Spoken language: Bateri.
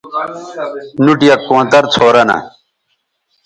نُوٹ یک کونتر څھورہ نہ